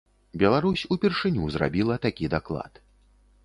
Беларусь упершыню зрабіла такі даклад.